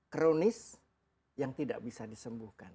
kronis yang tidak bisa disembuhkan